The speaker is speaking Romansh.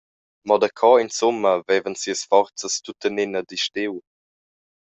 Mo daco insumma vevan sias forzas tuttenina disdiu?